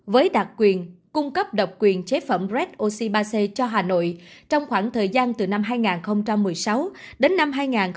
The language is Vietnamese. với đặc quyền cung cấp độc quyền chế phẩm red oxy ba c cho hà nội trong khoảng thời gian từ năm hai nghìn một mươi sáu đến năm hai nghìn một mươi bảy